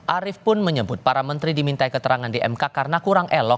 arief pun menyebut para menteri diminta keterangan di mk karena kurang elok